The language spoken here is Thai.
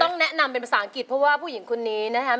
แนะนำเป็นภาษาอังกฤษเพราะว่าผู้หญิงคนนี้นะครับ